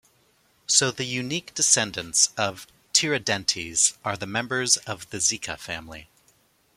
So the unique descendants of Tiradentes are the members of the Zica family.